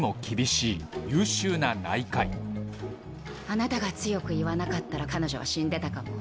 あなたが強く言わなかったら彼女は死んでたかも。